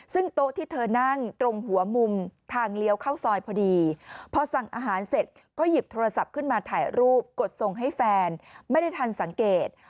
ซึ่งโต๊ะที่เธอนั่งตรงหัวมุมทางเลี้ยวเข้าซอยพอดีพอสั่งอาหารเสร็จก็หยิบโทรศัพท์ขึ้นมาถ่ายรูปกดส่งให้แฟนไม่ได้ทันสังเกต